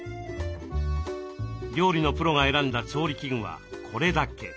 料理のプロが選んだ調理器具はこれだけ。